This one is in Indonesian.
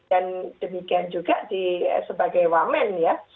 demikian juga sebagai wamen ya